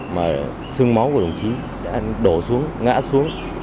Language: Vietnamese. mà sưng máu của đồng chí đã đổ xuống ngã xuống